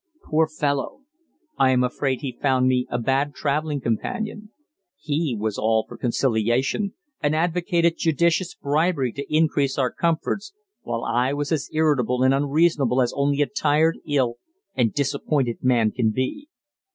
Poor fellow! I am afraid he found me a bad traveling companion. He was all for conciliation, and advocated judicious bribery to increase our comforts, while I was as irritable and unreasonable as only a tired, ill, and disappointed man can be.